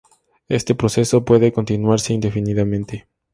Este proceso puede continuarse indefinidamente.